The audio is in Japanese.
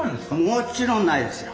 もちろんないですよ。